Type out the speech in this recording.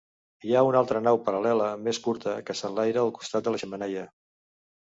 Hi ha una altra nau paral·lela més curta que s'enlaira al costat de la xemeneia.